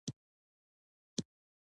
فرصت یوازې یو ځل راځي.